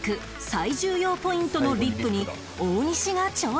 最重要ポイントのリップに大西が挑戦